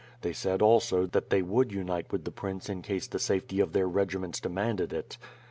They said also that they would unite with the Prince in case the safety of their regiments demanded it.